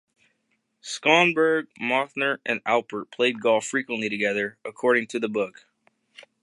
Schonberg, Mothner and Alpert played golf frequently together, according to the book.